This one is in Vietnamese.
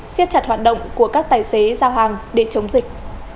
siết chặt hoạt động của các tài xế giao hàng để chống dịch